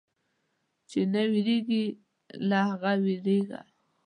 چې نه وېرېږي، له هغه وېرېږه.